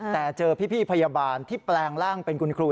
แต่เจอพี่พยาบาลที่แปลงร่างเป็นคุณครู